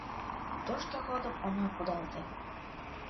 Тошто родым она кудалте -